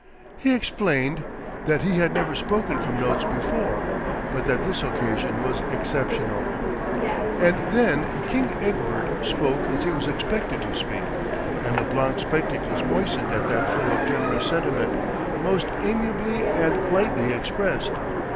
He explained that he had never spoken from notes before, but that this occasion was exceptional. And then King Egbert spoke as he was expected to speak, and Leblanc's spectacles moistened at that flow of generous sentiment, most amiably and lightly expressed.